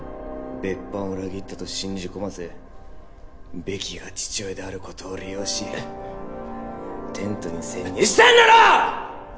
別班を裏切ったと信じ込ませベキが父親であることを利用しテントに潜入したんだろ！